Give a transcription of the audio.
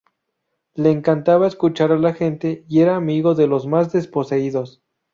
Le encantaba escuchar a la gente y era amigo de los más desposeídos.